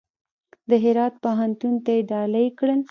د هرات پوهنتون ته یې ډالۍ کړل.